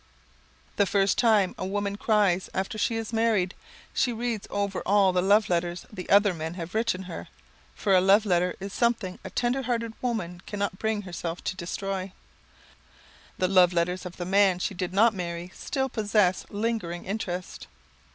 The first time a woman cries after she is married, she reads over all the love letters the other men have written her, for a love letter is something a tender hearted woman cannot bring herself to destroy. [Sidenote: The New Child] The love letters of the man she did not marry still possess lingering interest.